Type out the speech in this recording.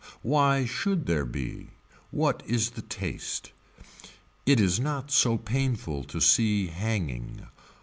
Why should there be. What is the taste. It is not so painful to see hanging.